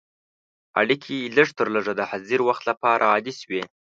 اړیکې لږترلږه د حاضر وخت لپاره عادي شوې.